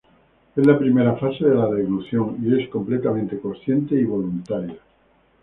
Es la primera fase de la deglución y es completamente consciente y voluntaria.